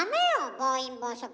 暴飲暴食は。